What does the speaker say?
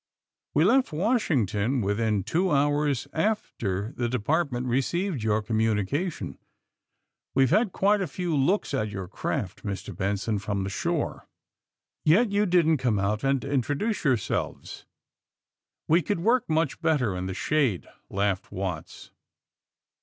^^We left Washington within two hours after the Department received your communication. We've had quite a few looks at your craft, Mr. Benson, from the shore." '^Yet you didn't come out and introduce your selves?" *'We could work much better in the shade," laughed Watts.